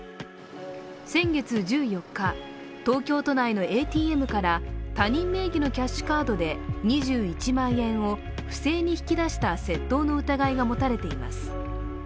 先月１４日、東京都内のＡＴＭから他人名義のキャッシュカードで２１万円を不正に引き出した窃盗の疑いが持たれています。